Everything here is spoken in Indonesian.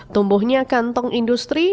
tumbuhnya kantong industri